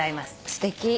すてき。